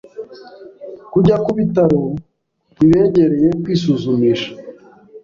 kujya kubitaro bibegereye kwisuzumisha